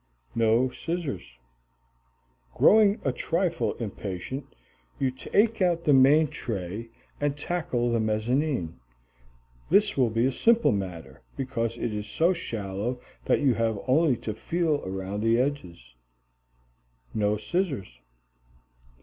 No scissors. Growing a trifle impatient, you take out the main tray and tackle the mezzanine. This will be a simple matter, because it is so shallow that you have only to feel around the edges. No scissors.